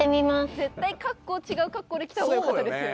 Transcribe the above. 絶対格好違う格好で来たほうがよかったですよね。